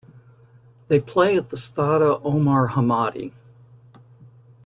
They play at the Stade Omar Hamadi.